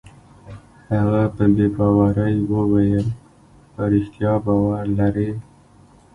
هغه په بې باورۍ وویل: په رښتیا باور لرې؟